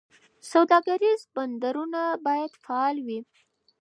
سوداګریز بندرونه باید فعال وي.